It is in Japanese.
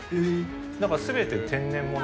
だから全て天然もの。